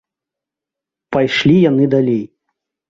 Пайшлі яны далей